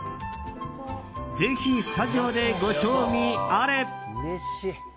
ぜひスタジオでご賞味あれ！